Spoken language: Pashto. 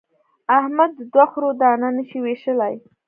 احمد د دوو خرو دانه نه شي وېشلای.